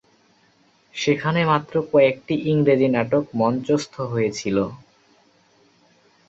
সেখানে মাত্র কয়েকটি ইংরেজি নাটক মঞ্চস্থ হয়েছিল।